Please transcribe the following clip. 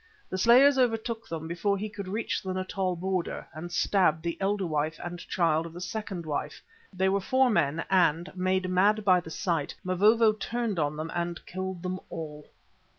The slayers overtook them before he could reach the Natal border, and stabbed the elder wife and the child of the second wife. They were four men, but, made mad by the sight, Mavovo turned on them and killed them all.